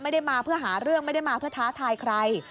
ไม่ได้มาเพื่อหาเรื่องไม่ได้มาเพื่อท้าทายใคร